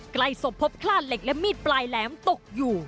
ใกล้ศพพบคลาดเหล็กและมีดปลายแหลมตกอยู่